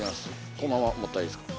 このまま持ったらいいですか？